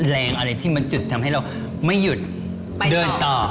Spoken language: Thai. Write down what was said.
แรงอะไรที่มันจุดทำให้เราไม่หยุดเดินต่อ